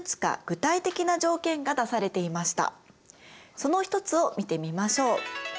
その１つを見てみましょう。